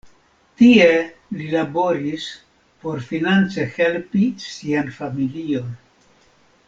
Tie li laboris por finance helpi sian familion.